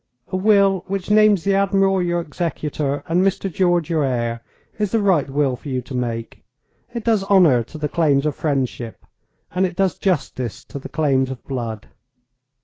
A will which names the admiral your executor and Mr. George your heir is the right will for you to make. It does honor to the claims of friendship, and it does justice to the claims of blood."